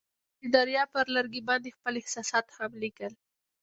هغوی د دریا پر لرګي باندې خپل احساسات هم لیکل.